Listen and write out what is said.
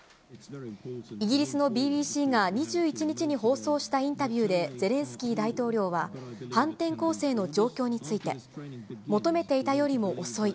イギリスのＢＢＣが２１日に放送したインタビューで、ゼレンスキー大統領は、反転攻勢の状況について、求めていたよりも遅い。